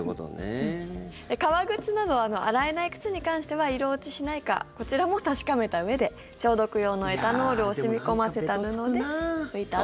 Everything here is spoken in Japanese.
革靴など洗えない靴に関しては色落ちしないかこちらも確かめたうえで消毒用のエタノールを染み込ませた布で拭いたあと。